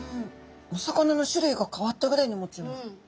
お魚の種類が変わったぐらいに思っちゃいました。